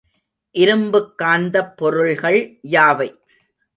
இரும்புக்காந்தப் பொருள்கள் யாவை?